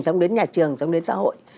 xong đến nhà trường xong đến xã hội